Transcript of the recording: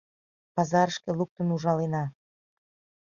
Пазарышке луктын ужалена.